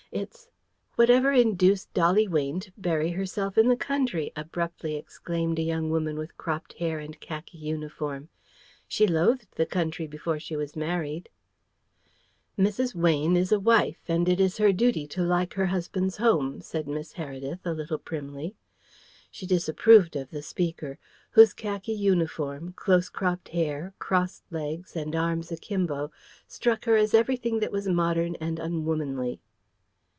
It's " "Whatever induced Dolly Weyne to bury herself in the country?" abruptly exclaimed a young woman with cropped hair and khaki uniform. "She loathed the country before she was married." "Mrs. Weyne is a wife, and it is her duty to like her husband's home," said Miss Heredith a little primly. She disapproved of the speaker, whose khaki uniform, close cropped hair, crossed legs, and arms a kimbo struck her as everything that was modern and unwomanly.